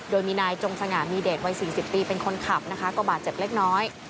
โดยมีนายจงสง่ามีเดชวัย๔๐ปีเป็นคนขับนะคะก็บาดเจ็บเล็กน้อย